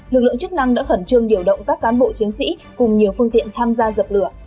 lực lượng chức năng đã khẩn trương điều động các cán bộ chiến sĩ cùng nhiều phương tiện tham gia dập lửa